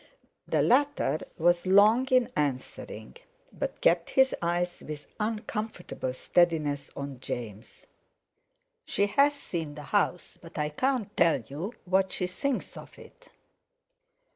The latter was long in answering, but kept his eyes with uncomfortable steadiness on James. "She has seen the house, but I can't tell you what she thinks of it."